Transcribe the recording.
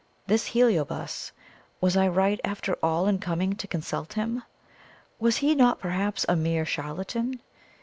This Heliobas, was I right after all in coming to consult him? Was he not perhaps a mere charlatan?